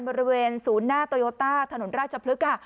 บริเวณศูนย์หน้าโตโยต้าถนนราชพฤกษ์ค่ะ